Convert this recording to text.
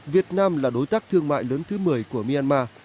việt nam là đối tác thương mại lớn thứ một mươi của myanmar